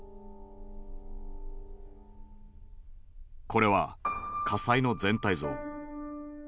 これは火災の全体像。